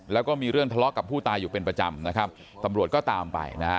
แล้วก็มีเรื่องทะเลาะกับผู้ตายอยู่เป็นประจำนะครับตำรวจก็ตามไปนะฮะ